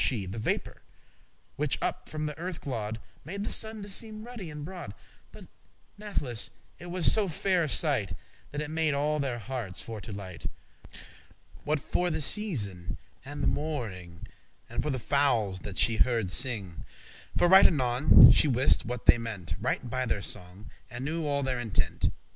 *sunken path The vapour, which up from the earthe glode,* *glided Made the sun to seem ruddy and broad: But, natheless, it was so fair a sight That it made all their heartes for to light,* *be lightened, glad What for the season and the morrowning, And for the fowles that she hearde sing. For right anon she wiste* what they meant *knew Right by their song, and knew all their intent.